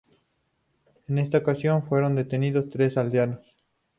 En esta ocasión, fueron detenidos tres aldeanos.